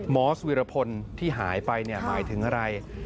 อสวิรพลที่หายไปหมายถึงอะไร